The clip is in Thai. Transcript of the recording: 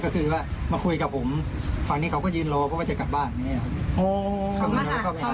ก็คือว่ามาคุยกับผมฝั่งนี้เขาก็ยืนรอเพราะว่าจะกลับบ้านอย่างนี้ครับ